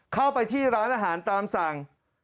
เข้าไปที่ร้านอาหารตามสั่ง